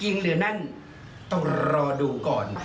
หรืออย่างนั้นต้องรอดูก่อน